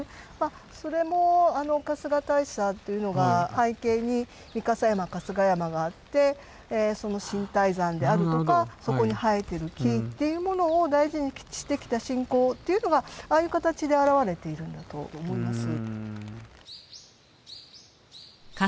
それもあの春日大社っていうのが背景に御蓋山春日山があってその神体山であるとかそこに生えてる木っていうものを大事にしてきた信仰っていうのがああいう形で表れているんだと思います。